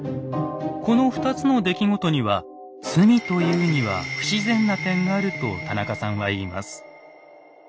この２つの出来事には罪と言うには不自然な点があると田中さんは言います。